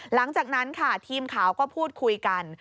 หลังจากนั้นค่ะทีมข่าวก็พูดคุยกัน